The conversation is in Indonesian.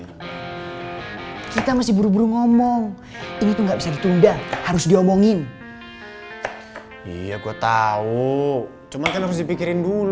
ayo kita masih be octave ngomong itu enggak bisa ditunda harus diaungguin ia kutahu cuman lotsa